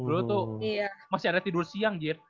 lu tuh masih ada tidur siang jir